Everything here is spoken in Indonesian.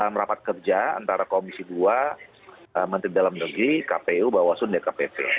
merapat kerja antara komisi ii menteri dalam negeri kpu bawasun dan kpv